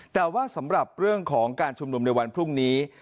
แต่ว่าสำหรับเรื่องของการชุมนุมในวันพรุ่งนี้